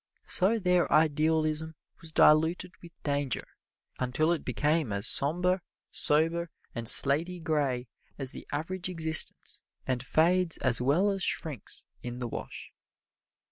So their idealism was diluted with danger until it became as somber, sober and slaty gray as the average existence, and fades as well as shrinks in the wash.